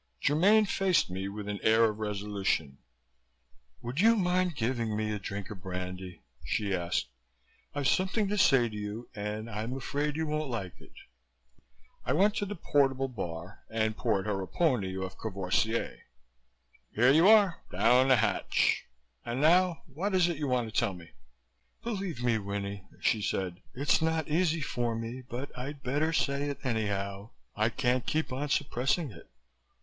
Germaine faced me with an air of resolution. "Would you mind giving me a drink of brandy?" she asked. "I've something to say to you and I'm afraid you won't like it." I went to the portable bar and poured her a pony of Courvoisier. "Here you are. Down the hatch! And now what is it you want to tell me." "Believe me, Winnie," she said, "it's not easy for me. But I'd better say it anyhow. I can't keep on suppressing it.